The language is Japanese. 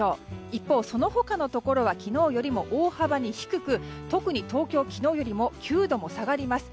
一方、その他のところは昨日よりも大幅に低く特に東京は昨日よりも９度も下がります。